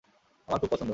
আমার খুব পছন্দ!